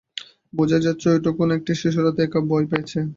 বোঝাই যাচ্ছে, ওইটুকুন একটি শিশু রাতে একা ভয় পেয়েছে।